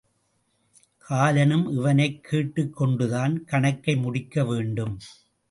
காலனும் இவனைக் கேட்டுக் கொண்டுதான் கணக்கை முடிக்க வேண்டும்.